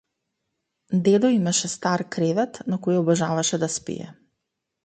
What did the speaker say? Дедо имаше стар кревет на кој обожаваше да спие.